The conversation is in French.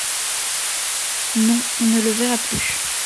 Non ! on ne le verra plus !